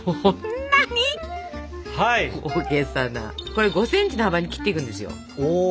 これ５ｃｍの幅に切っていくんですよ。